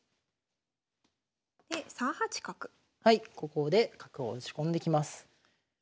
ここで角を打ち込んできます。